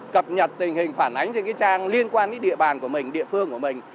cập nhật tình hình phản ánh trên trang liên quan đến địa bàn của mình địa phương của mình